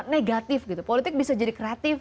negatif gitu politik bisa jadi kreatif